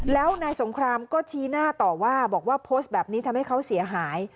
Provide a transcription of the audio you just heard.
แล้วนายสงครามก็ชี้หน้าต่อว่าบอกว่าโพสต์แบบนี้ทำให้เขาเสียหาย